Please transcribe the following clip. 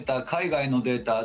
海外のデータ